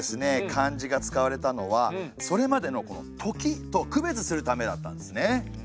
漢字が使われたのはそれまでの「とき」と区別するためだったんですね。